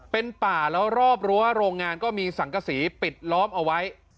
เป็นป่าแล้วรอบรั้วโรงงานก็มีสังกษีปิดล้อมเอาไว้